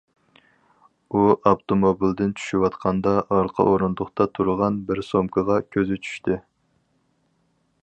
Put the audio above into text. ئۇ ئاپتوموبىلدىن چۈشۈۋاتقاندا ئارقا ئورۇندۇقتا تۇرغان بىر سومكىغا كۆزى چۈشتى.